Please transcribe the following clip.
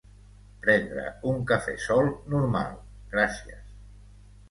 Prendre un cafè sol normal, gràcies.